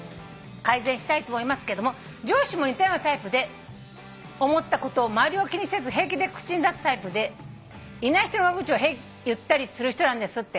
「改善したいと思いますけども上司も似たようなタイプで思ったことを周りを気にせず平気で口に出すタイプでいない人の悪口を言ったりする人なんです」